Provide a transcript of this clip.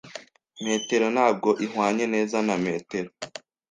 Metero ntabwo ihwanye neza na metero.